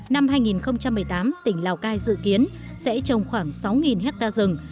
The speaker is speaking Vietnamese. năm hai nghìn một mươi tám tỉnh lào cai dự kiến sẽ trồng khoảng sáu hectare rừng